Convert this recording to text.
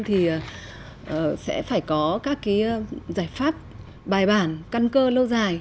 thì sẽ phải có các cái giải pháp bài bản căn cơ lâu dài